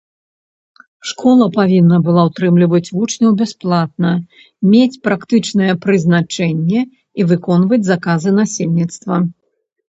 Школа павінна была ўтрымліваць вучняў бясплатна, мець практычнае прызначэнне і выконваць заказы насельніцтва.